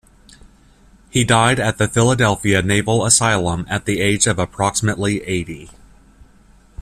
He died at the Philadelphia Naval Asylum at the age of approximately eighty.